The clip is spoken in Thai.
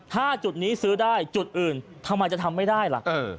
ถ้าจุดนี้ซื้อได้จุดอื่นทำไมจะทำไม่ได้ล่ะ